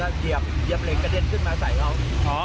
เหยียบเหล็กกระเด็นขึ้นมาใส่เขา